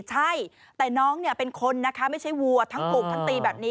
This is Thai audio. ใช่แต่น้องเป็นคนนะคะไม่ใช่วัวทั้งผูกทั้งตีแบบนี้